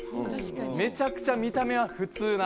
めちゃくちゃ見た目は普通な。